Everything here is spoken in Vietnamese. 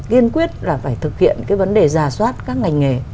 kiên quyết là phải thực hiện cái vấn đề giả soát các ngành nghề